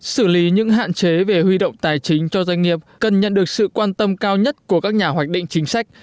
xử lý những hạn chế về huy động tài chính cho doanh nghiệp cần nhận được sự quan tâm cao nhất của các nhà hoạch định chính sách